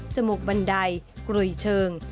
มูกบันไดกลุยเชิง